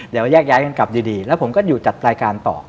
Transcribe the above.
เดี๋ยวแยกย้ายกันกลับดีแล้วผมก็อยู่จัดรายการต่อ